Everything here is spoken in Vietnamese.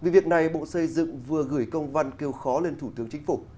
việc này bộ xây dựng vừa gửi công văn kêu khó lên thủ tướng chính phủ